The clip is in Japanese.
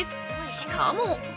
しかも！